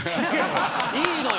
いいのよ。